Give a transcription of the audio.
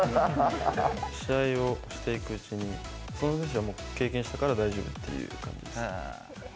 試合をしていくうちに、その選手はもう経験したことから、大丈夫っていう感じですね。